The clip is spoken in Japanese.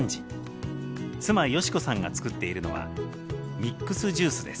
妻好子さんが作っているのはミックスジュースです。